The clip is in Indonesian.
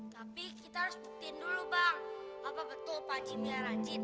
tapi kita harus buktiin dulu bang apa betul pak haji piharan jin